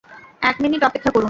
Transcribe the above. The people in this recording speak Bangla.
এক মিনিট অপেক্ষা করুন।